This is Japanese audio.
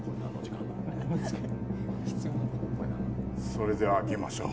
それでは開けましょう。